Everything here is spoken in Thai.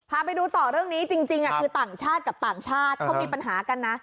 พาไปดูต่อเรื่องนี้จริงคือต่างชาติกับต่างชาติเขามีปัญหากันนะ